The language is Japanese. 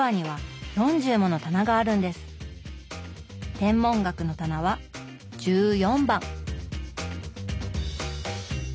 天文学の棚は１４番。